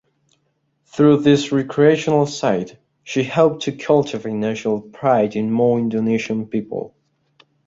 Through this recreational site, she hoped to cultivate national pride in more Indonesian people.